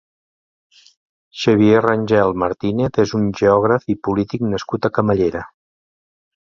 Xavier Rangel Martínez és un geògraf i polític nascut a Camallera.